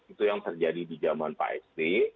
itu yang terjadi di jaman pak sd